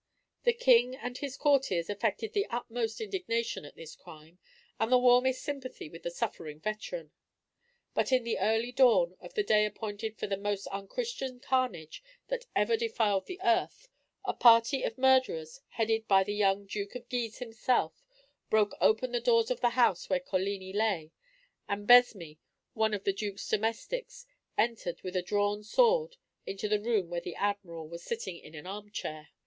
The king and his courtiers affected the utmost indignation at this crime, and the warmest sympathy with the suffering veteran. But in the early dawn of the day appointed for the most unchristian carnage that ever defiled the earth, a party of murderers, headed by the young Duke of Guise himself, broke open the doors of the house where Coligni lay, and Besme, one of the duke's domestics, entered with a drawn sword, into the room where the Admiral was sitting in an arm chair.